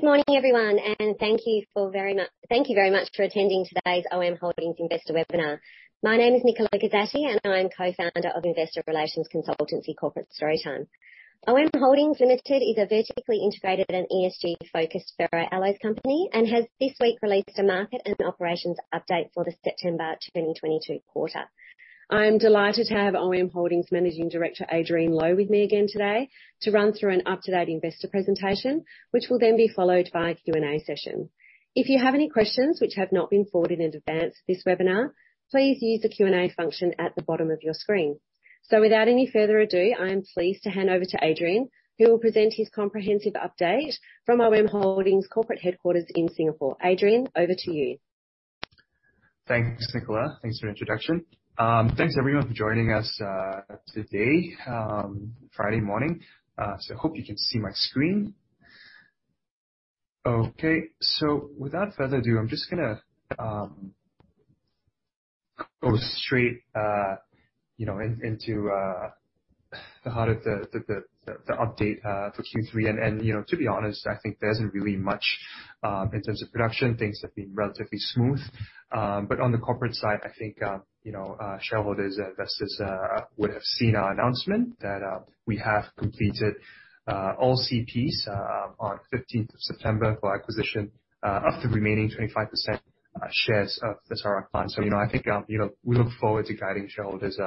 Good morning, everyone, and thank you very much for attending today's OM Holdings investor webinar. My name is Nicola Gazotti, and I am co-founder of Investor Relations Consultancy Corporate Storytime. OM Holdings Limited is a vertically integrated and ESG-focused ferroalloy company, and has this week released a market and operations update for the September 2022 quarter. I am delighted to have OM Holdings Managing Director, Adrian Low, with me again today to run through an up-to-date investor presentation, which will then be followed by a Q&A session. If you have any questions which have not been forwarded in advance of this webinar, please use the Q&A function at the bottom of your screen. Without any further ado, I am pleased to hand over to Adrian, who will present his comprehensive update from OM Holdings corporate headquarters in Singapore. Adrian, over to you. Thanks, Nicola. Thanks for introduction. Thanks, everyone, for joining us today, Friday morning. Hope you can see my screen. Okay. Without further ado, I'm just gonna go straight, you know, into the heart of the update for Q3. You know, to be honest, I think there isn't really much in terms of production. Things have been relatively smooth. On the corporate side, I think you know, shareholders and investors would have seen our announcement that we have completed all CPs on fifteenth of September for acquisition of the remaining 25% shares of the Sarawak plant. You know, I think you know, we look forward to guiding shareholders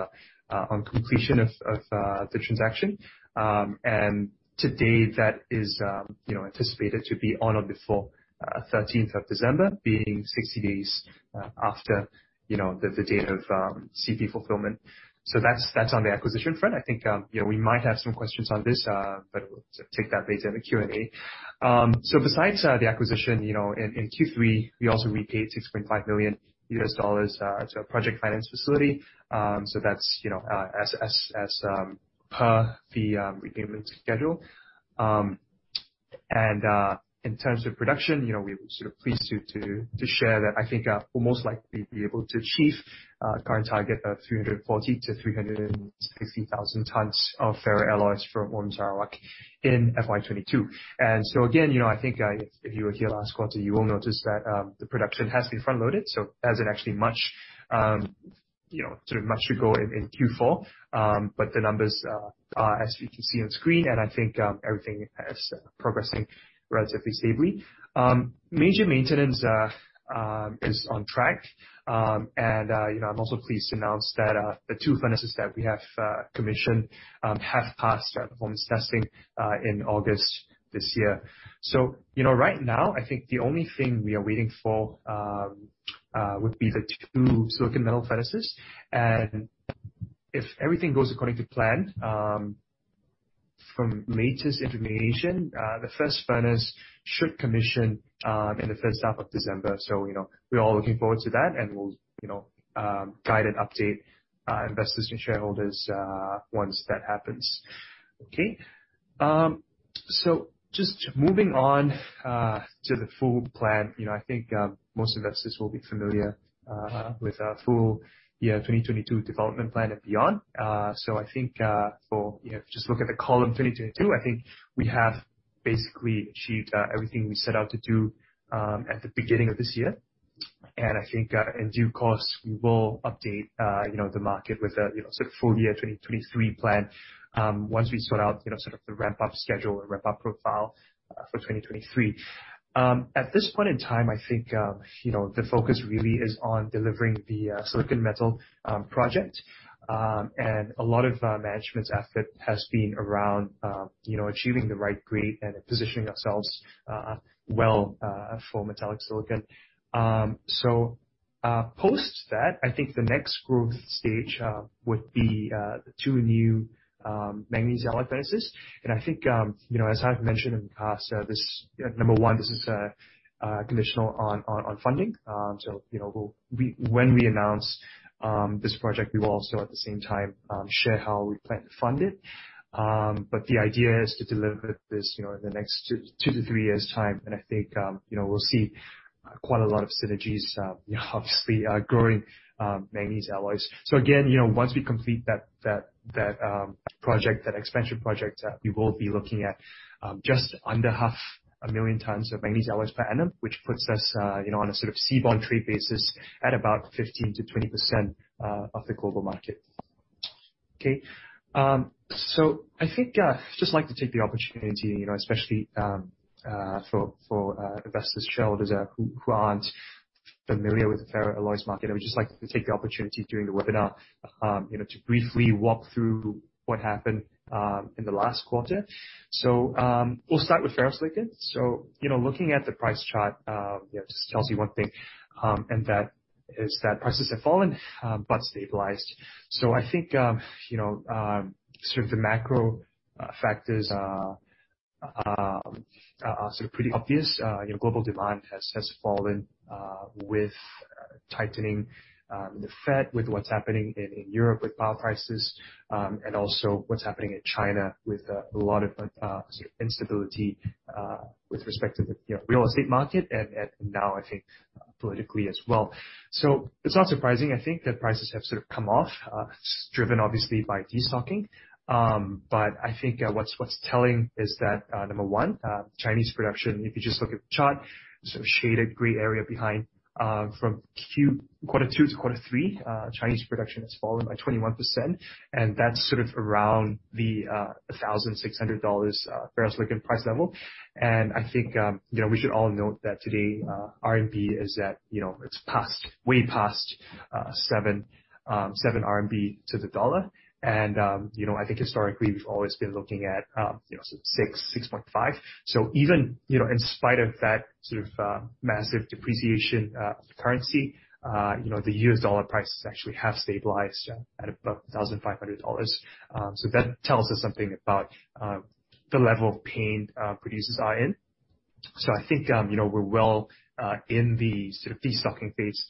on completion of the transaction. To date, that is, you know, anticipated to be on or before the thirteenth of December, being 60 days after, you know, the date of CP fulfillment. That's on the acquisition front. I think, you know, we might have some questions on this, but we'll take that later in the Q&A. Besides the acquisition, you know, in Q3, we also repaid $6.5 million to our project finance facility. That's, you know, as per the repayment schedule. In terms of production, you know, we were sort of pleased to share that I think we'll most likely be able to achieve current target of 340,000-360,000 tons of ferroalloys from OM Sarawak in FY22. Again, you know, I think if you were here last quarter, you will notice that the production has been front-loaded, so hasn't actually much, you know, sort of much to go in Q4. The numbers are as you can see on screen, and I think everything is progressing relatively stably. Major maintenance is on track. You know, I'm also pleased to announce that the two furnaces that we have commissioned have passed our performance testing in August this year. You know, right now, I think the only thing we are waiting for would be the two silicon metal furnaces. If everything goes according to plan, from latest information, the first furnace should commission in the first half of December. You know, we're all looking forward to that, and we'll you know guide and update investors and shareholders once that happens. Okay. Just moving on to the full plan. You know, I think most investors will be familiar with our full year 2022 development plan and beyond. I think, for you know, just look at the column 2022, I think we have basically achieved everything we set out to do, at the beginning of this year. I think, in due course, we will update you know, the market with a you know, sort of full year 2023 plan, once we sort out you know, sort of the ramp-up schedule or ramp-up profile, for 2023. At this point in time, I think you know, the focus really is on delivering the silicon metal project. A lot of management's effort has been around you know, achieving the right grade and positioning ourselves well, for metallic silicon. Post that, I think the next growth stage would be the two new manganese alloy furnaces. I think, you know, as I've mentioned in the past, this number one, this is conditional on funding. You know, we when we announce this project, we will also at the same time share how we plan to fund it. The idea is to deliver this, you know, in the next two to three years' time. I think, you know, we'll see quite a lot of synergies, you know, obviously growing manganese alloys. Again, you know, once we complete that project, that expansion project, we will be looking at just under 500,000 tons of manganese alloys per annum, which puts us, you know, on a sort of seaborne trade basis at about 15%-20% of the global market. Okay. I think just like to take the opportunity, you know, especially for investors, shareholders who aren't familiar with the ferroalloys market. I would just like to take the opportunity during the webinar, you know, to briefly walk through what happened in the last quarter. We'll start with ferrosilicon. You know, looking at the price chart, you know, just tells you one thing, and that is that prices have fallen, but stabilized. I think, you know, sort of the macro factors are sort of pretty obvious. You know, global demand has fallen with tightening, the Fed, with what's happening in Europe with power prices, and also what's happening in China with a lot of sort of instability with respect to the, you know, real estate market. Now I think politically as well. It's not surprising, I think that prices have sort of come off, driven obviously by destocking. I think what's telling is that number one, Chinese production, if you just look at the chart, sort of shaded gray area behind, from quarter two to quarter three, Chinese production has fallen by 21%, and that's sort of around the $1,600 ferrosilicon price level. I think you know, we should all note that today RMB is at, you know, it's past, way past 7 RMB to the dollar. You know, I think historically, we've always been looking at you know, 6.5. Even you know, in spite of that sort of massive depreciation currency you know, the US dollar prices actually have stabilized at about $1,500. That tells us something about the level of pain producers are in. I think, you know, we're well in the sort of destocking phase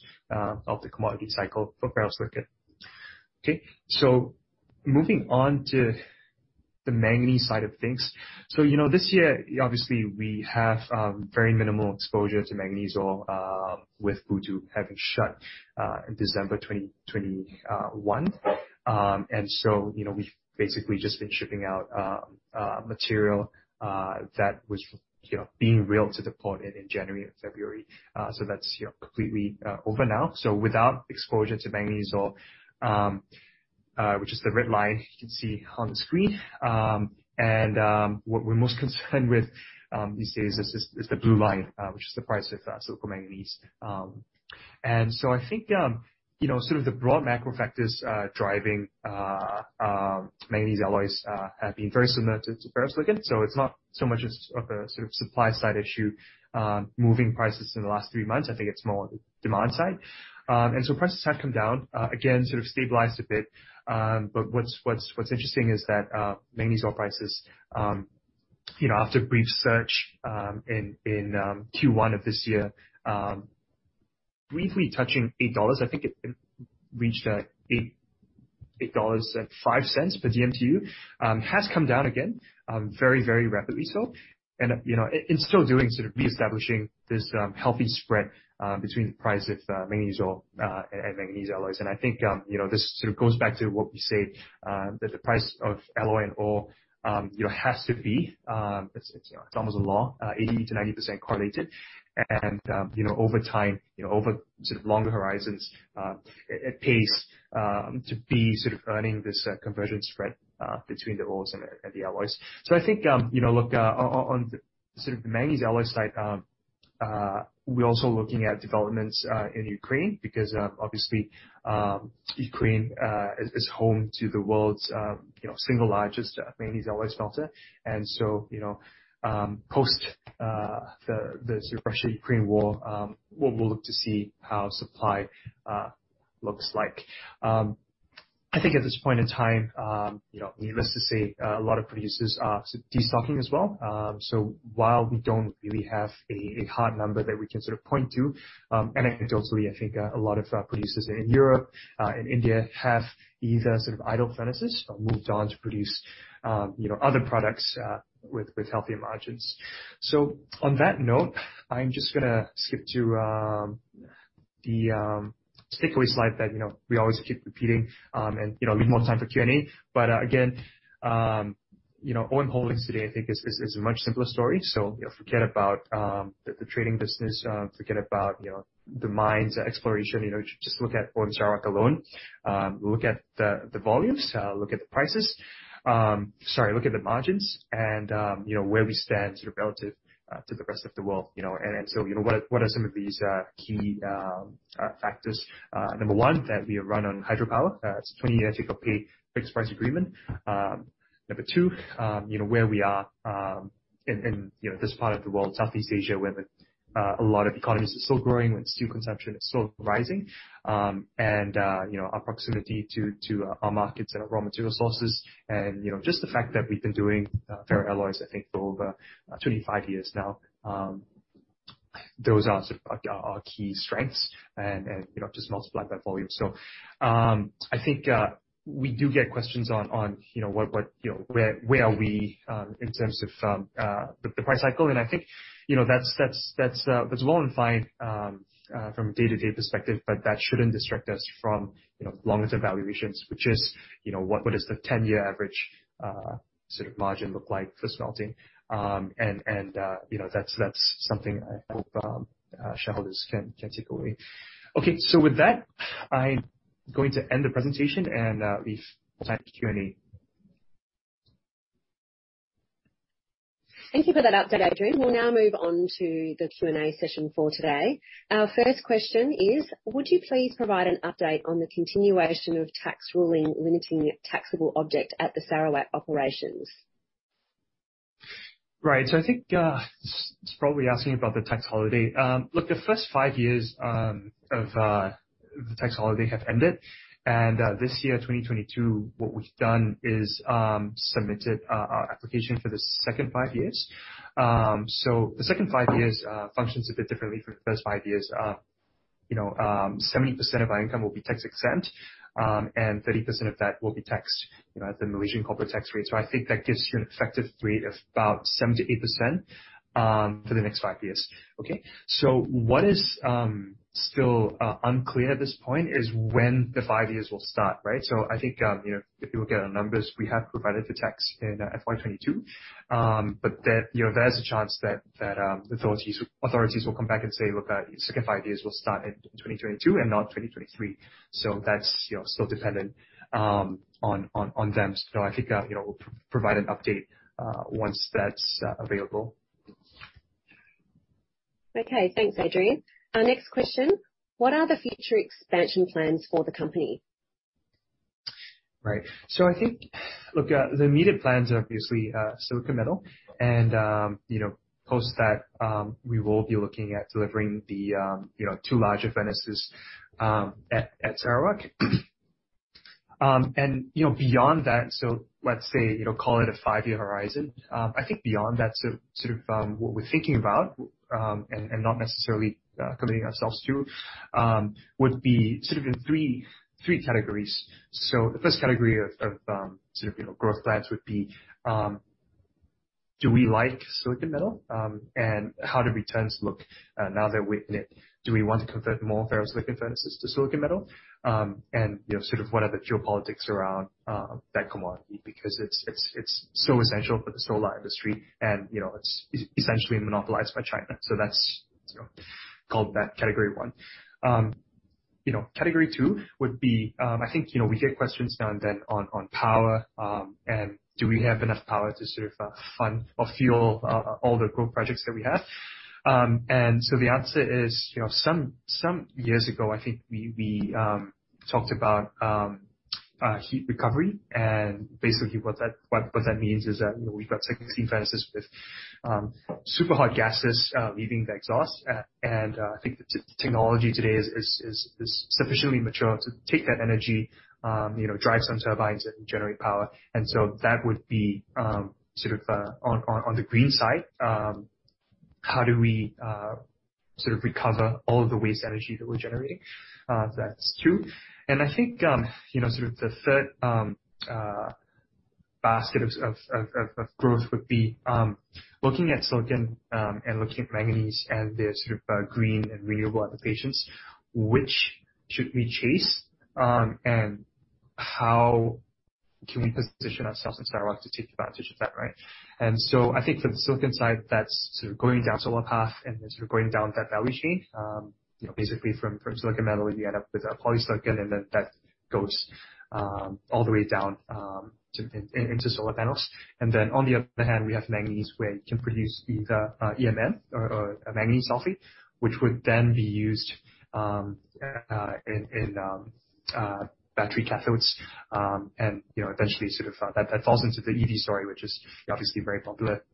of the commodity cycle for ferrosilicon. Okay. Moving on to the manganese side of things. You know, this year, obviously we have very minimal exposure to manganese ore with Bootu having shut in December 2021. You know, we've basically just been shipping out material that was, you know, being railed to the port in January and February. That's, you know, completely over now. Without exposure to manganese ore, which is the red line you can see on the screen. What we're most concerned with these days is the blue line, which is the price of silicomanganese. I think you know sort of the broad macro factors driving manganese alloys have been very similar to ferrosilicon. It's not so much of a sort of supply side issue moving prices in the last three ,months. I think it's more demand side. Prices have come down again, sort of stabilized a bit. What's interesting is that manganese ore prices you know after a brief surge in Q1 of this year briefly touching $8, I think it reached like $8.05 per DMTU, has come down again very rapidly so. You know, it's still doing sort of reestablishing this healthy spread between the price of manganese ore and manganese alloys. I think you know, this sort of goes back to what we said that the price of alloy and ore you know, has to be it's you know, it's almost a law 80%-90% correlated. You know, over time, you know, over sort of longer horizons it pays to be sort of earning this conversion spread between the ores and the alloys. I think, you know, look, on sort of the manganese alloy side, we're also looking at developments in Ukraine because, obviously, Ukraine is home to the world's, you know, single largest manganese alloy smelter. You know, post the Russia-Ukraine war, we'll look to see what the supply looks like. I think at this point in time, you know, needless to say, a lot of producers are destocking as well. While we don't really have a hard number that we can sort of point to, anecdotally, I think a lot of producers in Europe, in India, have either sort of idle furnaces or moved on to produce, you know, other products with healthier margins. On that note, I'm just gonna skip to the takeaway slide that, you know, we always keep repeating, and, you know, leave more time for Q&A. Again, you know, OM Holdings today, I think, is a much simpler story. You know, forget about the trading business. Forget about, you know, the mines exploration. You know, just look at OM Sarawak alone. Look at the volumes. Look at the prices. Sorry, look at the margins and, you know, where we stand sort of relative to the rest of the world, you know. You know, what are some of these key factors? Number one, we run on hydropower. It's a 20-year take-or-pay fixed price agreement. Number two, you know, where we are in this part of the world, Southeast Asia, where a lot of economies are still growing, and steel consumption is still rising. You know, our proximity to our markets and our raw material sources. You know, just the fact that we've been doing ferroalloys, I think ,for over 25 years now. Those are sort of our key strengths and, you know, just multiply by volume. I think we do get questions on you know what you know where we are in terms of the price cycle, and I think you know that's well and fine from a day-to-day perspective, but that shouldn't distract us from you know longer term valuations, which is you know what does the 10-year average sort of margin look like for smelting? And you know that's something I hope shareholders can take away. Okay. With that, I'm going to end the presentation and leave time for Q&A. Thank you for that update, Adrian. We'll now move on to the Q&A session for today. Our first question is, would you please provide an update on the continuation of tax ruling limiting taxable object at the Sarawak operations? Right. I think he's probably asking about the tax holiday. Look, the first five years of the tax holiday have ended, and this year, 2022, what we've done is submit our application for the second five years. The second five years function a bit differently from the first five years. You know, 70% of our income will be tax-exempt, and 30% of that will be taxed, you know, at the Malaysian corporate tax rate. I think that gives you an effective rate of about 7%-8% for the next five years. Okay. What is still unclear at this point is when the five years will start, right? I think, you know, if you look at our numbers, we have provided the tax in FY22. you know, there's a chance that authorities will come back and say, "Look, your second five years will start in 2022 and not 2023." That's still dependent, you know, on them. I think we'll provide an update once that's available. Okay. Thanks, Adrian. Our next question. What are the future expansion plans for the company? Right. I think, look, the immediate plans are obviously silicon metal and, you know, post that, we will be looking at delivering the, you know, two larger furnaces at Sarawak. And, you know, beyond that, let's say, you know, call it a five-year horizon, I think beyond that's sort of what we're thinking about, and not necessarily committing ourselves to, would be sort of in three categories. The first category of sort of, you know, growth plans would be, do we like silicon metal? And how do returns look, now that we're in it? Do we want to convert more ferrosilicon furnaces to silicon metal? You know, sort of what the geopolitics are around that commodity because it's so essential for the solar industry, and you know, it's essentially monopolized by China. That's, you know, called category one. You know, category two would be, I think, you know, we get questions now and then on power, and do we have enough power to sort of fund or fuel all the growth projects that we have. The answer is, you know, some years ago, I think we talked about heat recovery. Basically, what that means is that, you know, we've got 16 furnaces with super hot gases leaving the exhaust. I think the technology today is sufficiently mature to take that energy, you know, drive some turbines and generate power. That would be sort of on the green side. How do we sort of recover all of the waste energy that we're generating? That's two. I think you know sort of the third basket of growth would be looking at silicon and looking at manganese and their sort of green and renewable applications, which should we chase and how can we position ourselves in Sarawak to take advantage of that, right? I think from the silicon side, that's sort of going down solar path and then sort of going down that value chain. You know, basically, from silicon metal, you end up with polysilicon, and then that goes all the way down into solar panels. Then, on the other hand, we have manganese, where you can produce either EMN or manganese sulfate, which would then be used in battery cathodes. You know, eventually, sort of that falls into the EV story, which is obviously very popular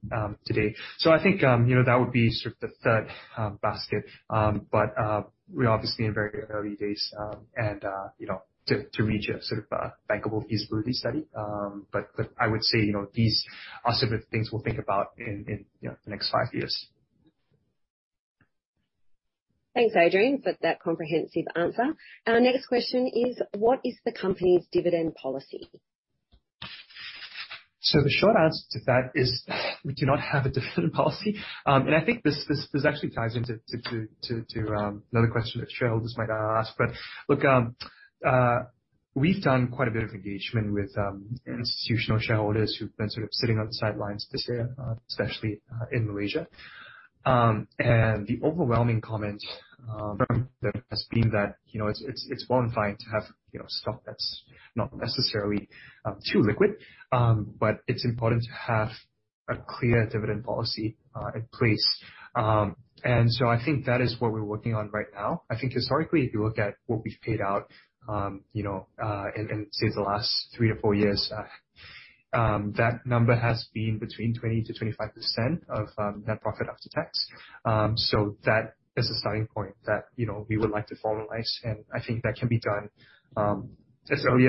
today. I think you know that would be sort of the third basket. We're obviously in very early days, and you know, to reach a sort of bankable feasibility study. I would say, you know, these are some of the things we'll think about in you know, the next five years. Thanks, Adrian, for that comprehensive answer. Our next question is. What is the company's dividend policy? The short answer to that is we do not have a dividend policy. I think this actually ties into another question that shareholders might ask. Look, we've done quite a bit of engagement with institutional shareholders who've been sort of sitting on the sidelines this year, especially in Malaysia. The overwhelming comment from them has been that, you know, it's well and fine to have, you know, stock that's not necessarily too liquid. It's important to have a clear dividend policy in place. I think that is what we're working on right now. I think historically, if you look at what we've paid out, you know, in, say, the last three-four, years, that number has been between 20%-25% of net profit after tax. That is a starting point that, you know, we would like to formalize, and I think that can be done as early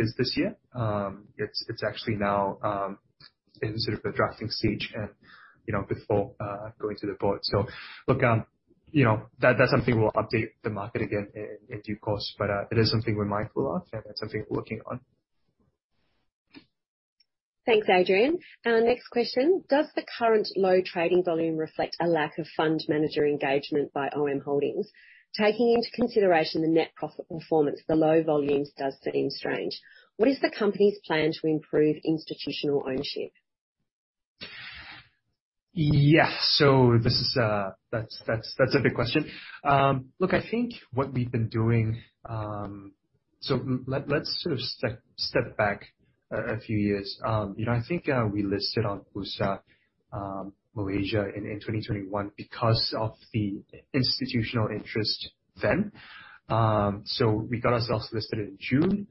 as this year. It's actually now in sort of the drafting stage and, you know, before going to the board. Look, you know, that's something we'll update the market again in due course. It is something we're mindful of, and that's something we're working on. Thanks, Adrian. Our next question: Does the current low trading volume reflect a lack of fund manager engagement by OM Holdings? Taking into consideration the net profit performance, the low volumes does seem strange. What is the company's plan to improve institutional ownership? Yeah. That's a big question. Look, I think what we've been doing. Let's sort of step back a few years. You know, I think we listed on Bursa Malaysia in 2021 because of the institutional interest then. We got ourselves listed in June.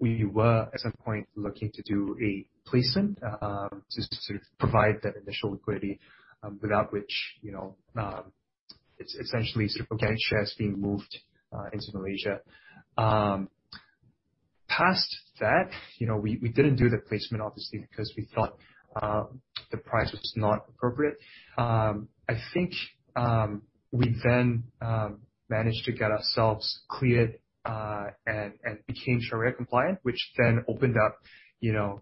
We were at some point looking to do a placement to sort of provide that initial liquidity, without which, you know, it's essentially sort of getting shares being moved into Malaysia. Past that, you know, we didn't do the placement obviously because we thought the price was not appropriate. I think we then managed to get ourselves cleared and became Shariah compliant, which then opened up, you know,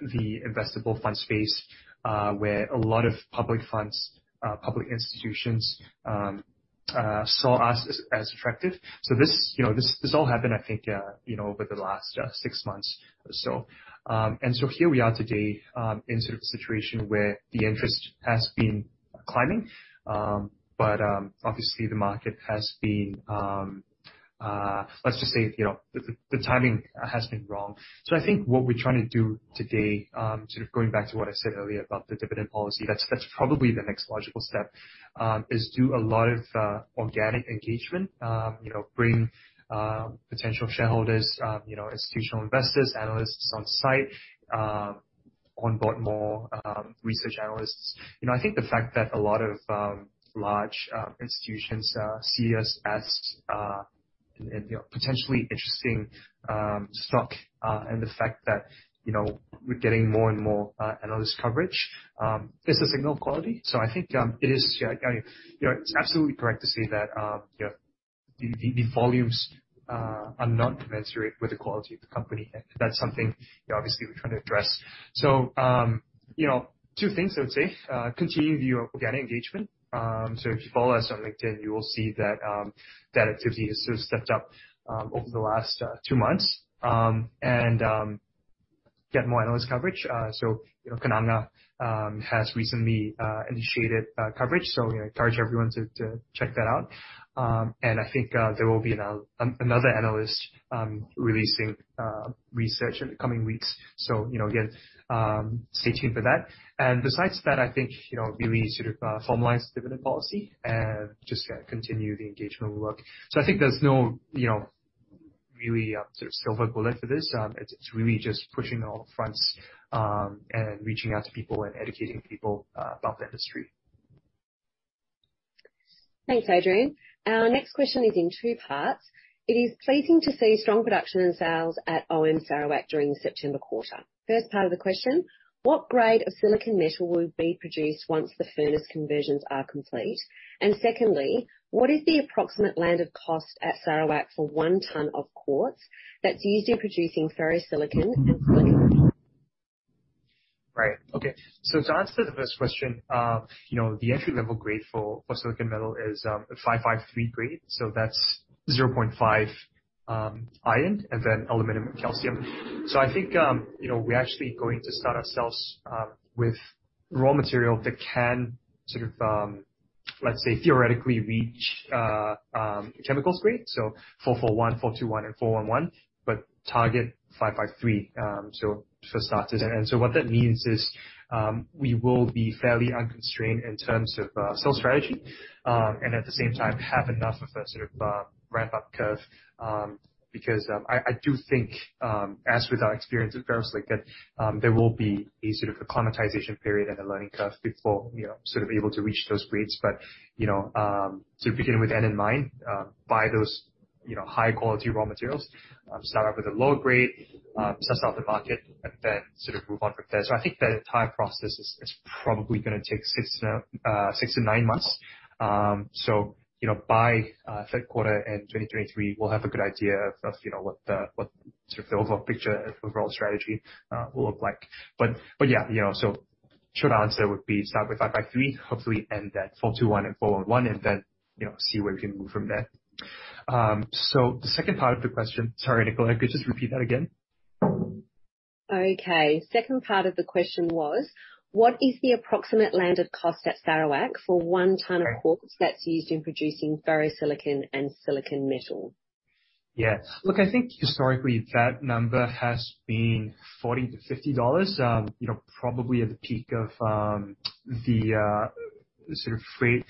the investable fund space, where a lot of public funds, public institutions, saw us as attractive. This, you know, this all happened, I think, you know, over the last six months or so. Here we are today in sort of a situation where the interest has been climbing. Obviously the market has been, let's just say, you know, the timing has been wrong. I think what we're trying to do today, sort of going back to what I said earlier about the dividend policy, that's probably the next logical step, is do a lot of organic engagement. You know, bring potential shareholders, you know, institutional investors, analysts on site, onboard more research analysts. You know, I think the fact that a lot of large institutions see us as you know, potentially interesting stock, and the fact that, you know, we're getting more and more analyst coverage is a signal of quality. I think it's absolutely correct to say that, you know, the volumes are not commensurate with the quality of the company. That's something, you know, obviously we're trying to address. You know, two things I would say. Continue the organic engagement. If you follow us on LinkedIn, you will see that that activity has sort of stepped up over the last two months. Get more analyst coverage. You know, Kenanga has recently initiated coverage, so you know, encourage everyone to check that out. I think there will be another analyst releasing research in the coming weeks. You know, again, stay tuned for that. Besides that, I think, you know, we sort of formalize dividend policy and just continue the engagement work. I think there's no, you know, really, sort of silver bullet for this. It's really just pushing on all fronts, and reaching out to people and educating people about the industry. Thanks, Adrian. Our next question is in two parts. It is pleasing to see strong production and sales at OM Sarawak during the September quarter. First part of the question, what grade of silicon metal will be produced once the furnace conversions are complete? And secondly, what is the approximate landed cost at Sarawak for 1 ton of quartz that's used in producing ferrosilicon and silicon? To answer the first question, you know, the entry level grade for silicon metal is 553 grade, so that's 0.5 iron and then aluminum and calcium. I think, you know, we're actually going to start ourselves with raw material that can sort of let's say theoretically reach chemical grade, so 441, 421 and 411, but target 553, so for starters. What that means is, we will be fairly unconstrained in terms of sales strategy, and at the same time, have enough of a sort of ramp up curve, because I do think, as with our experience with ferrosilicon, there will be a sort of acclimatization period and a learning curve before, you know, sort of able to reach those grades. But you know, to begin with end in mind, buy those, you know, high quality raw materials, start off with a lower grade, test out the market and then sort of move on from there. I think the entire process is probably gonna take 6-9 months. You know, by third quarter in 2023 we'll have a good idea of, you know, what the, what sort of the overall picture and overall strategy will look like. Yeah, you know, short answer would be start with 553, hopefully end at 421 and 411 and then, you know, see where we can move from there. The second part of the question. Sorry, Nicola, could you just repeat that again? Okay. Second part of the question was, what is the approximate landed cost at Sarawak for 1 ton of quartz that's used in producing ferrosilicon and silicon metal? Yeah. Look, I think historically that number has been 40-50 dollars, you know, probably at the peak of the sort of freight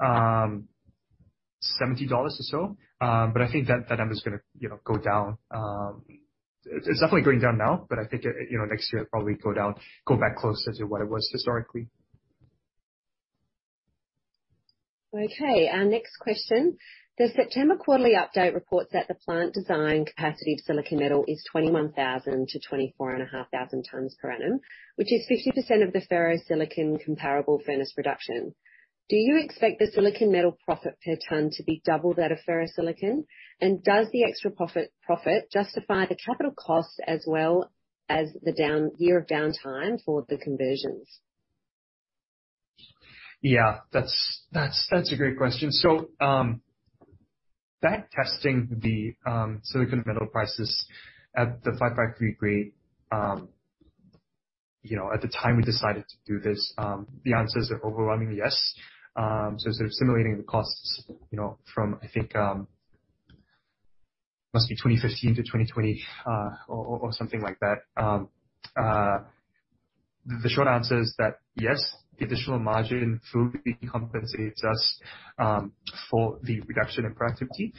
70 dollars or so. I think that number's gonna, you know, go down. It's definitely going down now, but I think, you know, next year it'll probably go down, go back closer to what it was historically. Okay. Our next question. The September quarterly update reports that the plant design capacity of silicon metal is 21,000-24,500 tons per annum, which is 50% of the ferrosilicon comparable furnace production. Do you expect the silicon metal profit per ton to be double that of ferrosilicon? And does the extra profit justify the capital cost as well as the one year of downtime for the conversions? Yeah, that's a great question. So, backtesting the silicon metal prices at the 553 grade, you know, at the time we decided to do this, the answers are overwhelmingly yes. So sort of simulating the costs, you know, from, I think, must be 2015 to 2020, or something like that. The short answer is that yes, the additional margin fully compensates us for the reduction in productivity.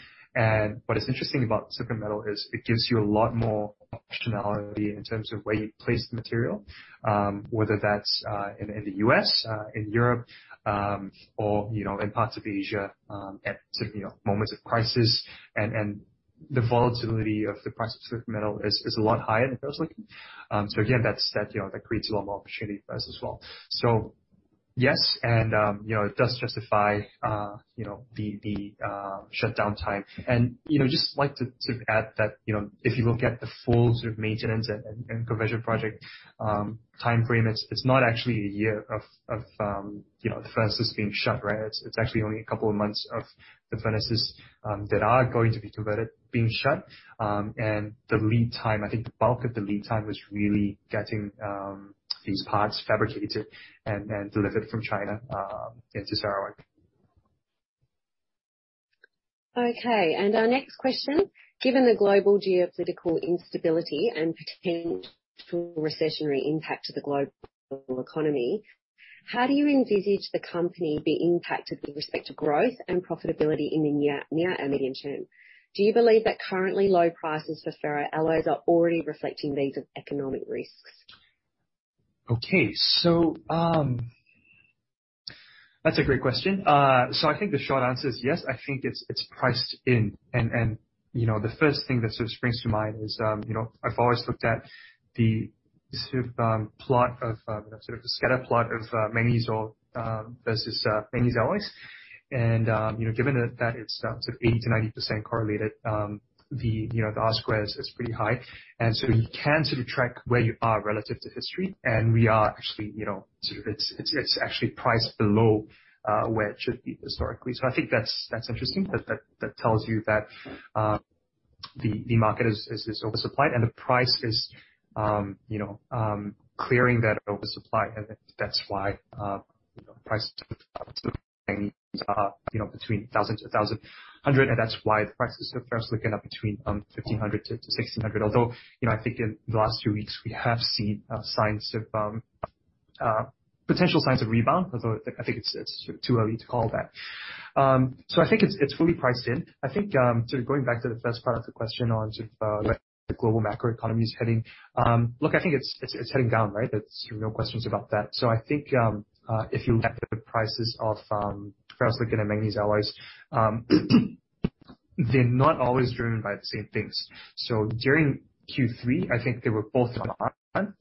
What is interesting about silicon metal is it gives you a lot more optionality in terms of where you place the material, whether that's in the U.S., in Europe, or, you know, in parts of Asia at certain, you know, moments of crisis. The volatility of the price of silicon metal is a lot higher than ferrosilicon. So again, that creates a lot more opportunity for us as well. Yes, you know, it does justify you know, the shutdown time. You know, just like to add that, you know, if you look at the full sort of maintenance and conversion project timeframe, it's not actually a year of the furnaces being shut, right? It's actually only a couple of months of the furnaces that are going to be converted, being shut. The lead time, I think the bulk of the lead time is really getting these parts fabricated and delivered from China into Sarawak. Okay. Our next question, given the global geopolitical instability and potential recessionary impact to the global economy, how do you envisage the company be impacted with respect to growth and profitability in the near and medium term? Do you believe that currently low prices for ferroalloys are already reflecting these economic risks? Okay. That's a great question. I think the short answer is yes. I think it's priced in. You know, the first thing that sort of springs to mind is, you know, I've always looked at the sort of plot of sort of the scatter plot of manganese ore versus manganese alloys. You know, given that it's sort of 80%-90% correlated, you know, the R-squared is pretty high. You can sort of track where you are relative to history. We are actually, you know, sort of it's actually priced below where it should be historically. I think that's interesting. That tells you that the market is oversupplied and the price is, you know, clearing that oversupply. That's why prices are, you know, between 1,000-1,100. That's why the prices of ferrosilicon are between 1,500-1,600. Although, you know, I think in the last few weeks we have seen signs of potential signs of rebound, although I think it's too early to call that. I think it's fully priced in. I think sort of going back to the first part of the question on sort of where the global macro economy is heading, look, I think it's heading down, right? There's no questions about that. I think if you look at the prices of ferrosilicon and manganese alloys, they're not always driven by the same things. During Q3, I think they were both on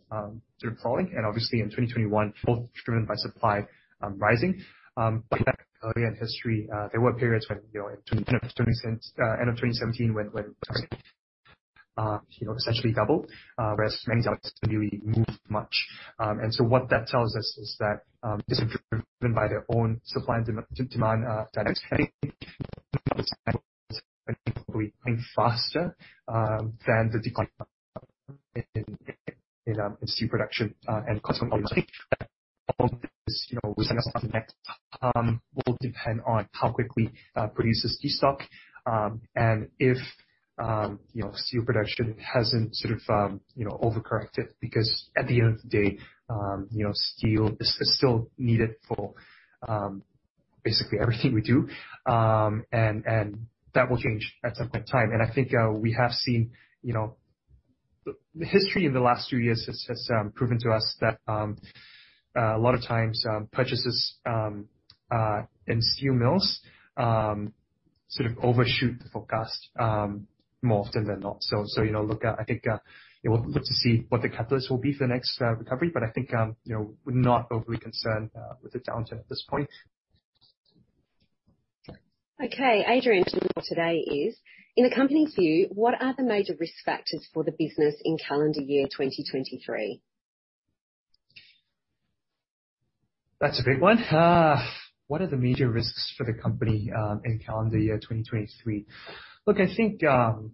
sort of crawling, and obviously in 2021, both driven by supply rising. Back earlier in history, there were periods when, you know, in end of 2017 when, you know, essentially doubled, whereas manganese alloys didn't really move much. What that tells us is that this is driven by their own supply and demand dynamics. I think probably faster than the decline in steel production and customs policy. All of this, you know, next, will depend on how quickly producers restock. If, you know, steel production hasn't sort of, you know, overcorrected, because at the end of the day, you know, steel is still needed for basically everything we do. That will change at some point in time. I think we have seen, you know, the history in the last two years has proven to us that a lot of times purchases in steel mills sort of overshoot the forecast more often than not. You know, look, I think we'll look to see what the catalyst will be for the next recovery. I think, you know, we're not overly concerned with the downturn at this point. Okay. Adrian, for today is, in the company's view, what are the major risk factors for the business in calendar year 2023? That's a big one. What are the major risks for the company in calendar year 2023? Look, I think the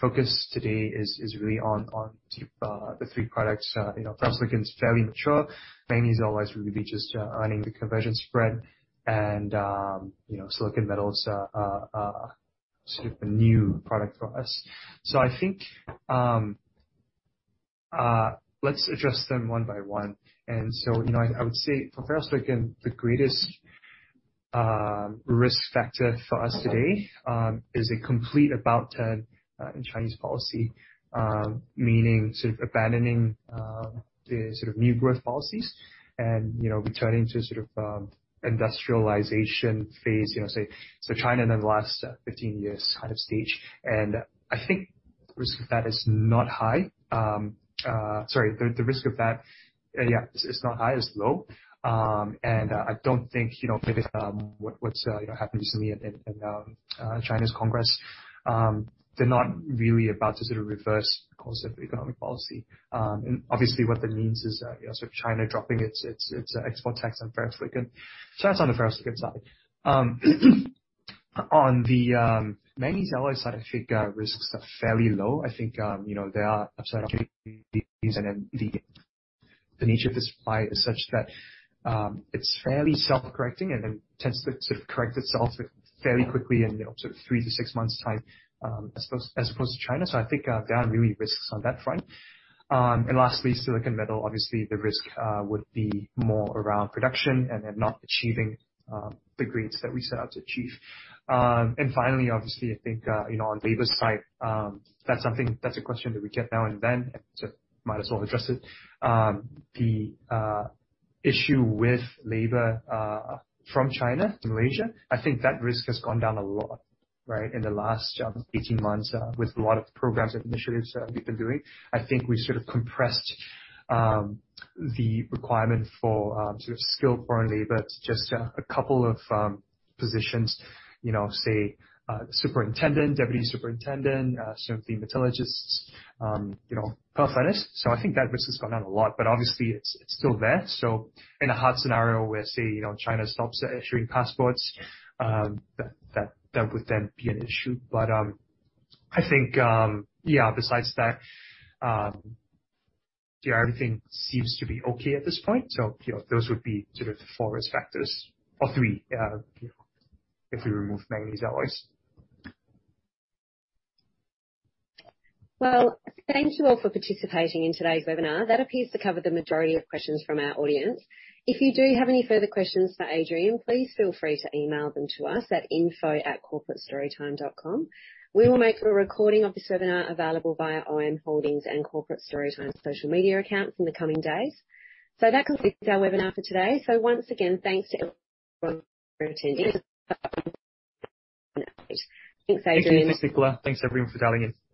focus today is really on the three products. You know, ferrosilicon is fairly mature. Manganese alloys will be just earning the conversion spread. You know, silicon metals are sort of a new product for us. I think let's address them one by one. You know, I would say for ferrosilicon, the greatest risk factor for us today is a complete about turn in Chinese policy, meaning sort of abandoning the sort of new growth policies and, you know, returning to sort of industrialization phase, you know, say, so China in the last 15 years kind of stage. I think the risk of that is not high, is low. I don't think, you know, given what's, you know, happened recently in China's Congress, they're not really about to sort of reverse course of economic policy. Obviously, what that means is, you know, sort of China dropping its export tax on ferrosilicon. So that's on the ferrosilicon side. On the manganese alloys side, I think risks are fairly low. I think, you know, there are opportunities and then the nature of the supply is such that it's fairly self-correcting and then tends to correct itself fairly quickly in, you know, sort of three to six months time, as opposed to China. I think, there aren't really risks on that front. Lastly, silicon metal, obviously, the risk would be more around production and then not achieving the grades that we set out to achieve. Finally, obviously, I think, you know, on labor side, that's a question that we get now and then, so might as well address it. The issue with labor from China to Malaysia, I think that risk has gone down a lot, right, in the last 18 months with a lot of programs and initiatives that we've been doing. I think we sort of compressed the requirement for sort of skilled foreign labor to just a couple of positions, you know, say, superintendent, deputy superintendent, some of the metallurgists, you know, per furnace. I think that risk has gone down a lot, but obviously it's still there. In a hard scenario where, say, you know, China stops issuing passports, that would then be an issue. But I think, yeah, besides that, yeah, everything seems to be okay at this point. You know, those would be sort of the four risk factors, or three, you know, if we remove manganese alloys. Well, thank you all for participating in today's webinar. That appears to cover the majority of questions from our audience. If you do have any further questions for Adrian, please feel free to email them to us at info@corporatestorytime.com. We will make a recording of this webinar available via OM Holdings and Corporate Storytime social media accounts in the coming days. That concludes our webinar for today. Once again, thanks to everyone for attending. Thank you, Nicola. Thanks, everyone, for dialing in.